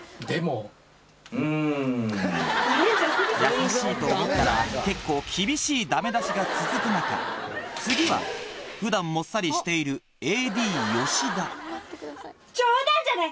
優しいと思ったら結構厳しいダメ出しが続く中次は普段もっさりしている冗談じゃない！